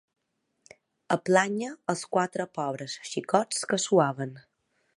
A plànyer els quatre pobres xicots que suaven